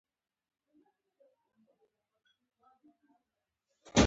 هغه ﷺ به له قهر نه ځان ساته.